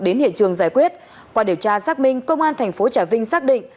đến hiện trường giải quyết qua điều tra xác minh công an thành phố trà vinh xác định